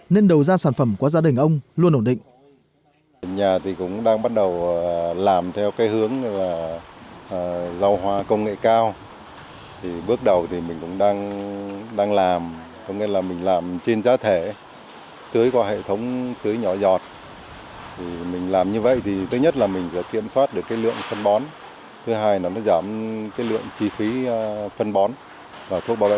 nên đầu gian sản phẩm của gia đình ông luôn ổn định